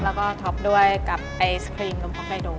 แล้วก็ท็อปด้วยกับไอศกรีมนมพร้อมไก่โด่